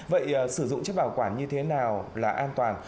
vậy sử dụng chất bảo quản như thế nào là an toàn